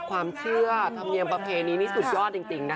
ความเชื่อธรรมเนียมประเพณีนี่สุดยอดจริงนะคะ